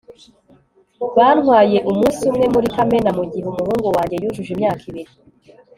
byantwaye umunsi umwe muri kamena, mugihe umuhungu wanjye yujuje imyaka ibiri